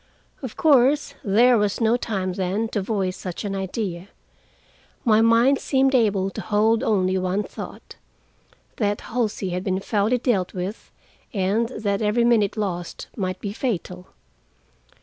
Of course, there was no time then to voice such an idea. My mind seemed able to hold only one thought: that Halsey had been foully dealt with, and that every minute lost might be fatal.